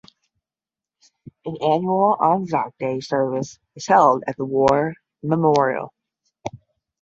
An annual Anzac Day service is held at the war memorial.